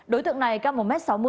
đối tượng này cao một m sáu mươi